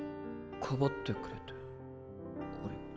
かばってくれてありがと。